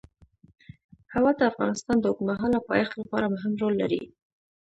هوا د افغانستان د اوږدمهاله پایښت لپاره مهم رول لري.